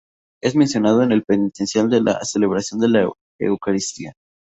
Es mencionado en el penitencial de la celebración de la Eucaristía.